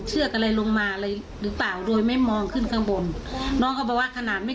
เชือกอะไรลงมาอะไรหรือเปล่าโดยไม่มองขึ้นข้างบนน้องเขาบอกว่าขนาดไม่